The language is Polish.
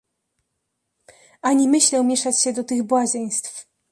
"Ani myślę mieszać się do tych błazeństw!..."